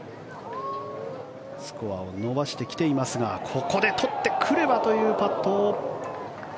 スコアを伸ばしてきていますがここで取ってくればというパット。